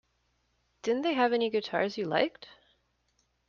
Didn't they have any guitars you liked?